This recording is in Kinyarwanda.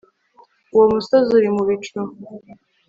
uwo musozi uri mubicu